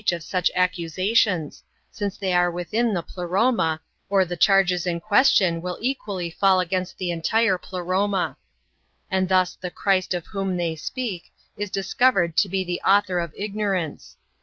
beyond the reacli of such accusations, since they are wltliin the Pleroma, or the charges in question will equally fall against the entire Pleroma ; and thus the Christ of whom they speak is discovered to be the author of ignorance.